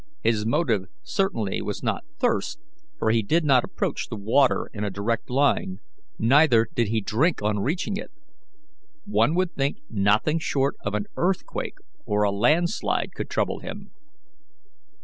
"His motive certainly was not thirst, for he did not approach the water in a direct line, neither did he drink on reaching it. One would think nothing short of an earthquake or a land slide could trouble him."